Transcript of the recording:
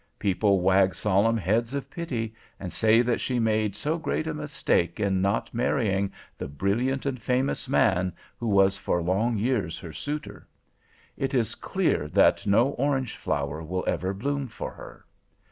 People wag solemn heads of pity, and say that she made so great a mistake in not marrying the brilliant and famous man who was for long years her suitor. It is clear that no orange flower will ever bloom for her.